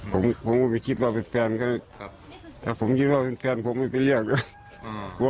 ผมผมก็ไปคิดว่าเป็นแฟนครับครับแต่ผมคิดว่าเป็นแฟนผมไม่ไปเรียกแล้วอ่า